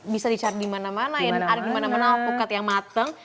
bisa dicari di mana mana ada di mana mana alpukat yang mateng